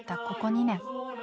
ここ２年。